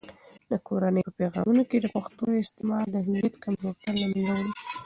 د کورنۍ په پیغامونو کې د پښتو استعمال د هویت کمزورتیا له منځه وړي.